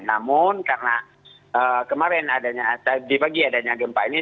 namun karena kemarin adanya tadi pagi adanya gempa ini